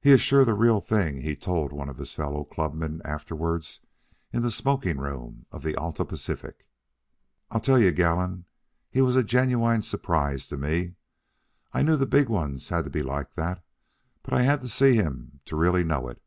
"He's sure the real thing," he told one of his fellow clubmen afterwards, in the smoking room of the Alta Pacific. "I tell you, Gallon, he was a genuine surprise to me. I knew the big ones had to be like that, but I had to see him to really know it.